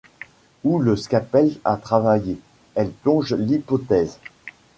Où le scalpel a travaillé, elle plonge l’hypothèse.